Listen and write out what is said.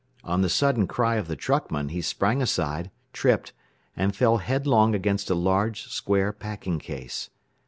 On the sudden cry of the truckman he sprang aside, tripped, and fell headlong against a large, square packing case.